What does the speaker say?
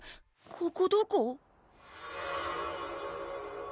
ここどこ？